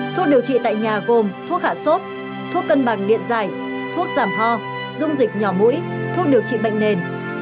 thuốc điều trị tại nhà gồm thuốc hạ sốt thuốc cân bằng điện giải thuốc giảm ho dung dịch nhỏ mũi thuốc điều trị bệnh nền